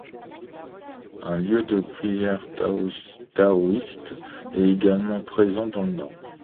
Un lieu de prière taoïste est également présent dans le nord.